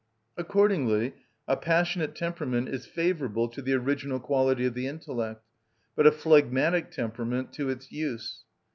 Accordingly a passionate temperament is favourable to the original quality of the intellect, but a phlegmatic temperament to its use.